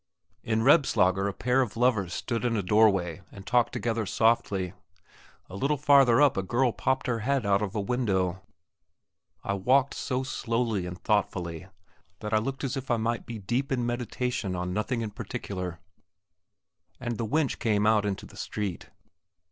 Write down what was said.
In Rebslager a pair of lovers stood in a doorway and talked together softly; a little farther up a girl popped her head out of a window. I walked so slowly and thoughtfully, that I looked as if I might be deep in meditation on nothing in particular, and the wench came out into the street.